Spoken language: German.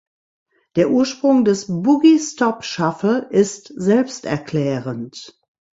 Der Ursprung des "Boogie Stop Shuffle" ist selbsterklärend.